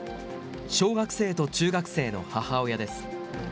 小学生と中学生の母親です。